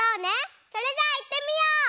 それじゃあいってみよう！